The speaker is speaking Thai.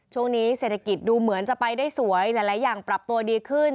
ช่วงนี้เศรษฐกิจดูเหมือนจะไปได้สวยหลายอย่างปรับตัวดีขึ้น